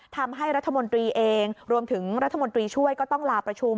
ทำให้รัฐมนตรีเองรวมถึงรัฐมนตรีช่วยก็ต้องลาประชุม